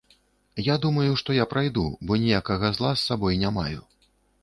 Я думаю, што я прайду, бо ніякага зла з сабой не маю.